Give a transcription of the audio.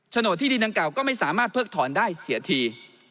โดดที่ดินดังเก่าก็ไม่สามารถเพิกถอนได้เสียที